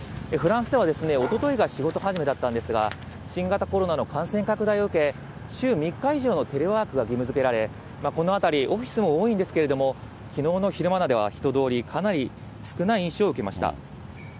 フランスでは、おとといが仕事始めだったんですが、新型コロナの感染拡大を受け、週３日以上のテレワークが義務づけられ、この辺り、オフィスも多いんですけれども、きのうの昼間などは人通り、かなり少ない印象を受けました。